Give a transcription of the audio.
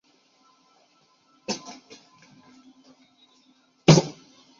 但此居住的是一批全新的动植物。